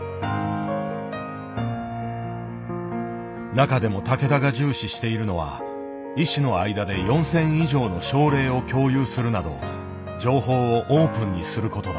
中でも竹田が重視しているのは医師の間で４，０００以上の症例を共有するなど情報をオープンにすることだ。